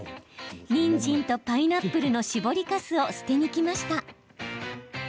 にんじんとパイナップルの搾りかすを捨てに来ました。